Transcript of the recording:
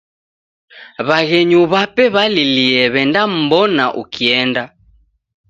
W'aghenyu w'ape w'alilie w'endam'mbona ukienda.